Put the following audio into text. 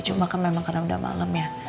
cuma kan memang karena udah malam ya